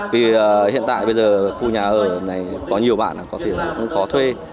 vì hiện tại bây giờ khu nhà ở này có nhiều bạn có thể cũng có thuê